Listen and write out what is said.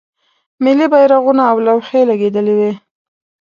ملی بیرغونه او لوحې لګیدلې وې.